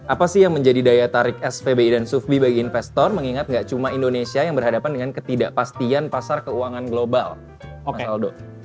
apa sih yang menjadi daya tarik spbi dan sufbi bagi investor mengingat nggak cuma indonesia yang berhadapan dengan ketidakpastian pasar keuangan global mas aldo